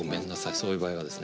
そういう場合はですね